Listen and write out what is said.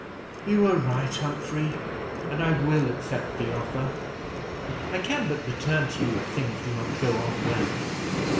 "You are right, Humphrey, and I will accept the offer; I can but return to you if things do not go on well."